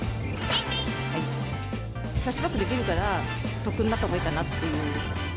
キャッシュバックできるから、得になったほうがいいかなっていう。